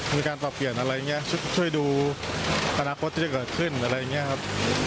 มีการปรับเปลี่ยนอะไรอย่างนี้ช่วยดูอนาคตที่จะเกิดขึ้นอะไรอย่างนี้ครับ